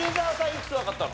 いくつわかったの？